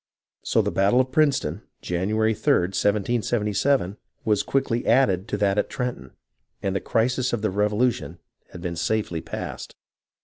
So the battle of Princeton, January 3d, 1777, was quickly added to that at Trenton, and the crisis of the Revolution had been safely passed.